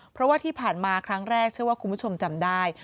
เพราะว่าที่ผ่านมาครั้งแรกเชื่อว่าคุณผู้ชมจำได้